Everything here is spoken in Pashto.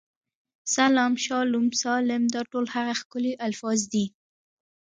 سلام، شالوم، سالم، دا ټول هغه ښکلي الفاظ دي.